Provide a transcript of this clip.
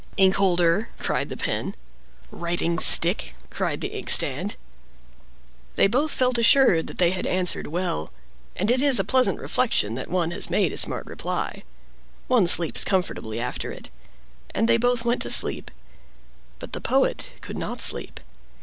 "Inkholder!" cried the Pen. "Writing stick!" cried the Inkstand. They both felt assured that they had answered well; and it is a pleasant reflection that one has made a smart reply—one sleeps comfortably after it. And they both went to sleep; but the Poet could not sleep.